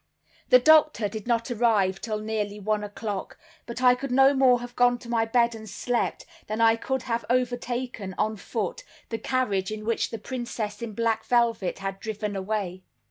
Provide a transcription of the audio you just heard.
The doctor did not arrive till nearly one o'clock; but I could no more have gone to my bed and slept, than I could have overtaken, on foot, the carriage in which the princess in black velvet had driven away.